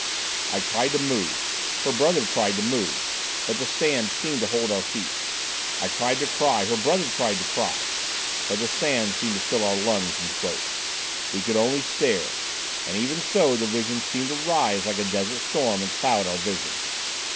I tried to move—her brother tried to move—but the sand seemed to hold our feet. I tried to cry—her brother tried to cry—but the sand seemed to fill our lungs and throat. We could only stare—and, even so, the sand seemed to rise like a desert storm and cloud our vision